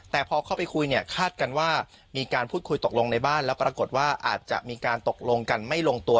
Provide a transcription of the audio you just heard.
แต่พอเข้าไปคุยเนี่ยคาดกันว่ามีการพูดคุยตกลงในบ้านแล้วปรากฏว่าอาจจะมีการตกลงกันไม่ลงตัว